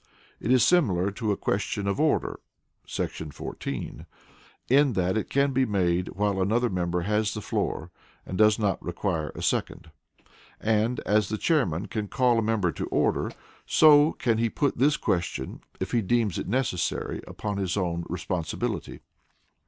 It is similar to a question of order [§ 14,] in that it can be made while another member has the floor, and does not require a second; and as the Chairman can call a member to order, so can he put this question if he deems it necessary, upon his own responsibility.